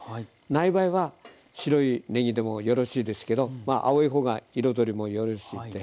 ない場合は白いねぎでもよろしいですけど青い方が彩りもよろしいので。